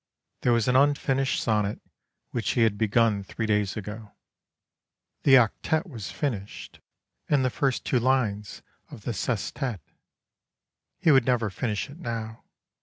There was an unfinished sonnet which he had begun three days ago. The octet was finished and the first two lines of the sestet. He would never finish it now.